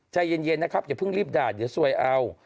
ใจเย็นนะครับอย่าเพิ่งรีบด่าเดี๋ยวซวยเอา